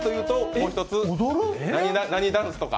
もう一つ、何ダンスとか？